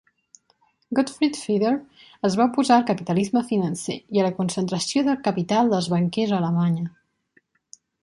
Gottfried Feder es va oposar al capitalisme financer i a la concentració de capital dels banquers a Alemanya.